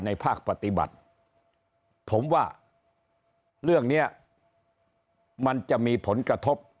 ภาคปฏิบัติผมว่าเรื่องนี้มันจะมีผลกระทบ